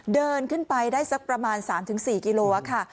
เดินขึ้นไปได้สักประมาณ๓๔กิโลค่ะ